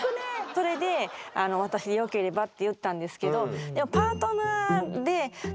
それで「私でよければ」って言ったんですけど。